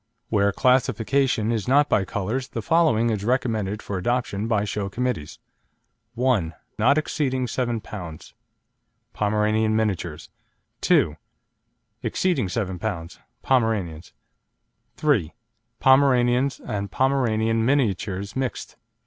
Where classification is not by colours the following is recommended for adoption by show committees: 1. Not exceeding 7 lb. (Pomeranian Miniatures). 2. Exceeding 7 lb. (Pomeranians). 3. Pomeranians and Pomeranian Miniatures mixed.